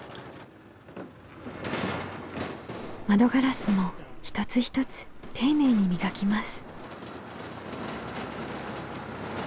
窓ガラスも一つ一つ丁寧に磨きます。